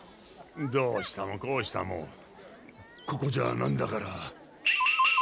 どうしたもこうしたもここじゃなんだから。